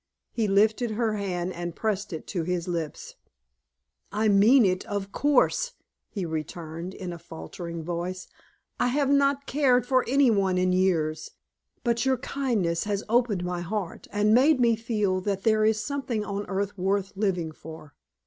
He lifted her hand and pressed it to his lips. "I mean it, of course," he returned, in a faltering voice. "I have not cared for any one in years, but your kindness has opened my heart and made me feel that there is something on earth worth living for.